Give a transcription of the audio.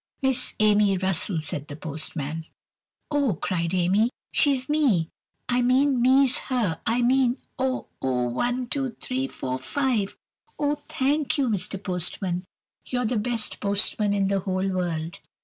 "Miss Amy Russell?" said the postman. "Oh!" cried Amy, "she's me! I mean me's her! I mean—oh! oh! one, two, three, four, five! Oh, thank you, Mr. Postman! You're the best postman in the whole world!"